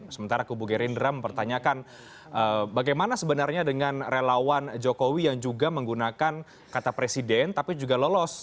sementara kubu gerindra mempertanyakan bagaimana sebenarnya dengan relawan jokowi yang juga menggunakan kata presiden tapi juga lolos